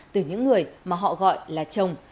từ những người mà họ gọi là chồng